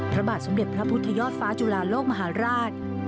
พระบาทสมเด็จพระพุทธยอดฟ้าจุฬาโลกมหาราช